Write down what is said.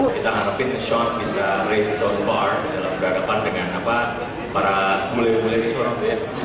kita harapin sean bisa raise his own bar dalam kehadapan dengan para mulia mulia di surabaya